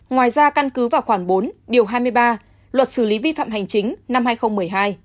ngoài ra căn cứ vào khoảng bốn điều hai mươi ba luật xử lý vi phạm hành chính năm hai nghìn một mươi hai